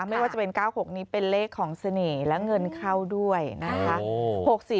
ไม่ว่าจะเป็น๙๖นี้เป็นเลขของเสน่ห์และเงินเข้าด้วยนะคะ